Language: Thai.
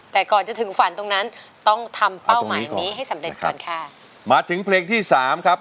ถ้าพร้อมนะครับอินโทรเพลงที่๓มาเลยครับ